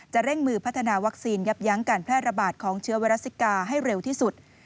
เร่งมือพัฒนาวัคซีนยับยั้งการแพร่ระบาดของเชื้อไวรัสซิกาให้เร็วที่สุด